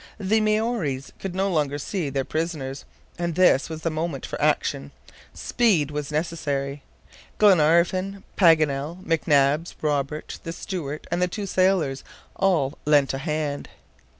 The Maories could no longer see their prisoners; and this was the moment for action. Speed was necessary. Glenarvan, Paganel, McNabbs, Robert, the steward, and the two sailors, all lent a hand.